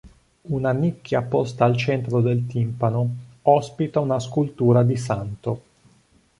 Una nicchia posta al centro del timpano ospita una scultura di santo.